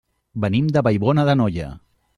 Venim de Vallbona d'Anoia.